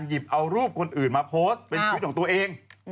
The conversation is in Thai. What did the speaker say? หยิบเอารูปคนอื่นมาโพสต์เป็นคลิปของตัวเอง